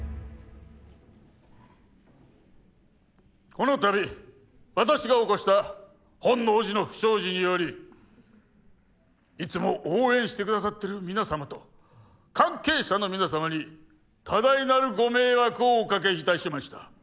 この度私が起こした本能寺の不祥事によりいつも応援して下さってる皆様と関係者の皆様に多大なるご迷惑をおかけいたしました。